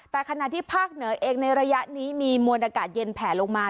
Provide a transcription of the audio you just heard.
แต่ขณะที่ภาคเหนือเองในระยะนี้มีมวลอากาศเย็นแผลลงมา